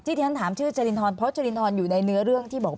ที่ที่ฉันถามชื่อเจรินทรเพราะเจรินทรอยู่ในเนื้อเรื่องที่บอกว่า